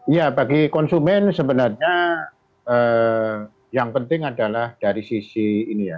ya bagi konsumen sebenarnya yang penting adalah dari sisi ini ya